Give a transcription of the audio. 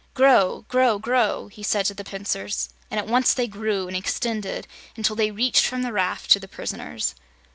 "Grow grow grow!" he said to the pincers, and at once they grew and extended until they reached from the raft to the prisoners.